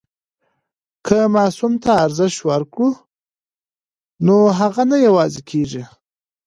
که ماسوم ته ارزښت ورکړو نو هغه نه یوازې کېږي.